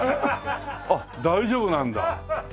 あっ大丈夫なんだ。